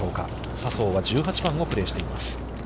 笹生は１８番をプレーしています。